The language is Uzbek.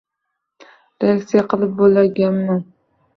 Reaksiya qilib boʻlaganman.